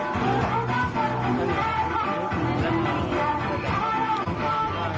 จะพิ่งโรงพยาบาลค่ะ